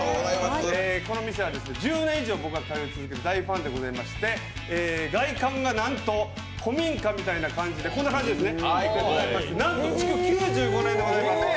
この店は１０年以上僕が通い続ける大ファンでございまして外観が古民家みたいな感じでございましてなんと築９５年でございます。